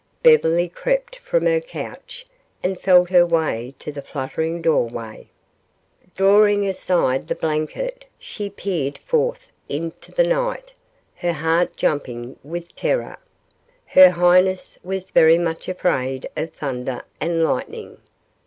Beverly crept from her couch and felt her way to the fluttering doorway. Drawing aside the blanket she peered forth into the night, her heart jumping with terror. Her highness was very much afraid of thunder and lightning.